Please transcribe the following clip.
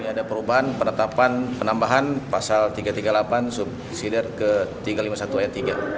ada perubahan penetapan penambahan pasal tiga ratus tiga puluh delapan subsidi ke tiga ratus lima puluh satu ayat tiga